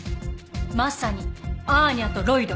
まさにアーニャとロイド。